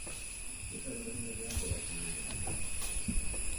Bwe tulaba Katonda by'akola twewuunya.